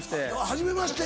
「はじめまして」